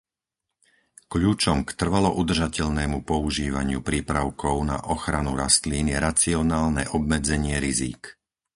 Kľúčom k trvalo udržateľnému používaniu prípravkov na ochranu rastlín je racionálne obmedzenie rizík.